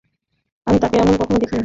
আমি তাকে এমন কখনো দেখি নি।